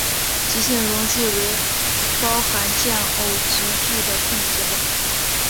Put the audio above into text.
极性溶剂为包含键偶极矩的分子结构。